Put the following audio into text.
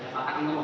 tata kanan menu